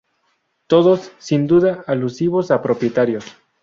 Todos, sin duda, alusivos a propietarios.